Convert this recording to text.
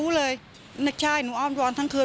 ตลอดทั้งคืนตลอดทั้งคืน